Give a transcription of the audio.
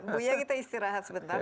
buya kita istirahat sebentar